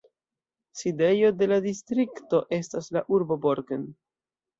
Sidejo de la distrikto estas la urbo Borken.